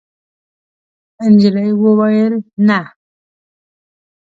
نجلۍ وویل: «نه.»